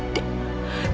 tidak sama sekali